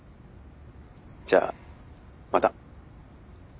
じゃあまた。